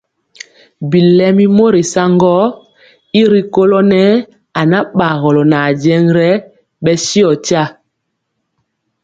Bilɛmi mori saŋgɔɔ gɔ y rikolɔ nɛɛ anabagɔlɔ nʼajeŋg rɛ bɛ shio tya.